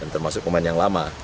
termasuk komain yang lama